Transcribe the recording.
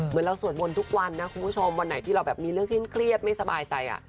เราสวดมนต์ทุกวันนะคุณผู้ชมวันไหนที่เราแบบมีเรื่องที่เครียดไม่สบายใจ